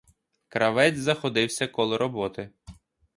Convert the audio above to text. Кравець заходився коло роботи.